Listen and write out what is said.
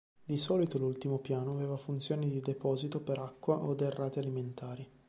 Di solito l'ultimo piano aveva funzioni di deposito per acqua o derrate alimentari.